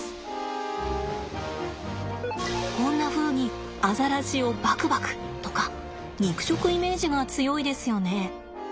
こんなふうにアザラシをばくばくとか肉食イメージが強いですよね。